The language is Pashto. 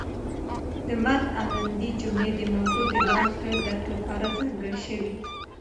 د مط الندې جملې د موضوع د لاښه درک لپاره ځانګړې شوې.